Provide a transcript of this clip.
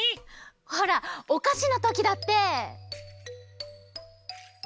ほらおかしのときだって！